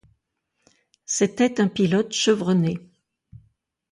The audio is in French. C'était un pilote chevronné.